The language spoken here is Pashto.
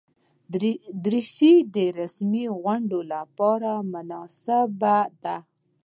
دریشي د رسمي غونډو لپاره مناسبه ده.